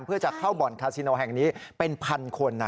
เพื่อจะเข้าบ่อนคาซิโนแห่งนี้เป็นพันคน